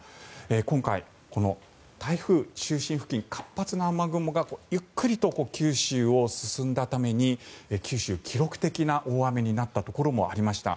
今回、台風中心付近活発な雨雲がゆっくりと九州を進んだために九州記録的な大雨になったところもありました。